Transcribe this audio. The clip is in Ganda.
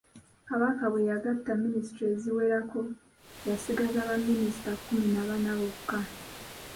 Kabaka bwe yagatta minisitule eziwerako yasigaza ba minisita kkumi na bana bokka.